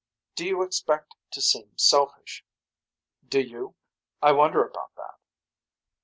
Do you expect to seem selfish. Do you. I wonder about that.